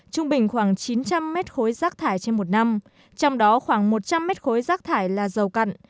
trung bình khoảng chín trăm linh mét khối rác thải trên một năm trong đó khoảng một trăm linh mét khối rác thải là dầu cặn